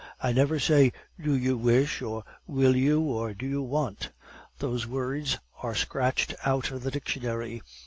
I never say, 'Do you wish?' or 'Will you?' or 'Do you want?' Those words are scratched out of the dictionary.